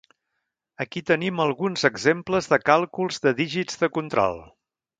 Aquí tenim alguns exemples de càlculs de dígits de control.